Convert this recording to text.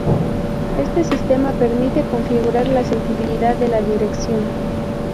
Este sistema permite configurar la sensibilidad de la dirección.